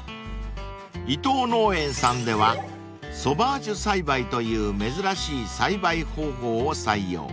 ［伊藤農園さんではソバージュ栽培という珍しい栽培方法を採用］